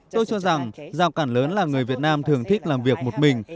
tôi cho rằng giao cản lớn là người việt nam thường thích làm việc một mình